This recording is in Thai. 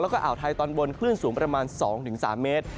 แล้วก็อ่าวไทยตอนบนคลื่นสูงประมาณ๒๓เมตร